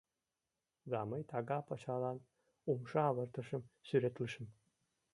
Да мый тага пачалан умша авыртышым сӱретлышым.